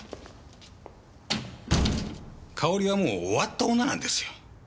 かおりはもう終わった女なんですよ。